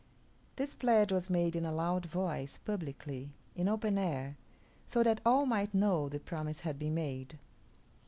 This pledge was made in a loud voice, publicly, in open air, so that all might know the promise had been made.